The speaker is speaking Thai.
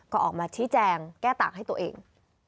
ก็ออกมาชี้แจงแก้ต่างให้ตัวเอง